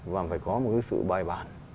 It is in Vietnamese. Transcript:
và phải có một cái sự bài bản